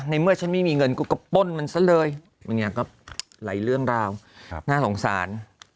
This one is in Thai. ในเมื่อฉันไม่มีเงินก็ปล้นมันซะเลยอย่างนี้ครับไหลเรื่องราวน่าสงสาร